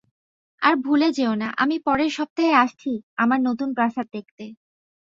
আর ভুলে যেও না, আমি পরের সপ্তাহে আসছি, আমার নতুন প্রাসাদ দেখতে।